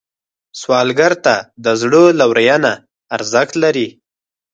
سوالګر ته د زړه لورینه ارزښت لري